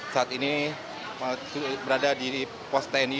saat ini berada di pos tni